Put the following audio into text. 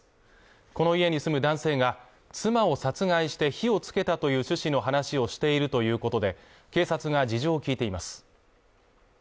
この家に住む男性が妻を殺害して火をつけたという趣旨の話をしているということで警察が事情を聞いています